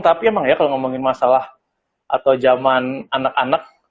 tapi emang ya kalau ngomongin masalah atau zaman anak anak